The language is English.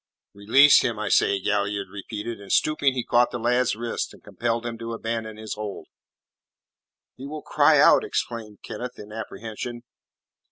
"Release him, I say," Galliard repeated, and stooping he caught the lad's wrist and compelled him to abandon his hold. "He will cry out," exclaimed Kenneth, in apprehension.